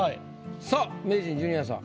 さあ名人ジュニアさん。